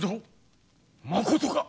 まことか！？